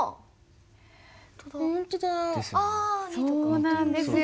そうなんですよ。